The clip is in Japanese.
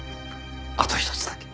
あとひとつだけ。